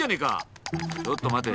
ちょっと待て！